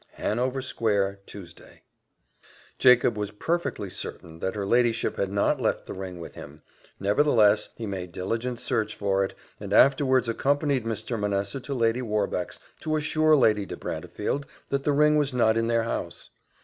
"Hanover square, Tuesday." Jacob was perfectly certain that her ladyship had not left the ring with him; nevertheless he made diligent search for it, and afterwards accompanied Mr. Manessa to Lady Warbeck's, to assure Lady de Brantefield that the ring was not in their house.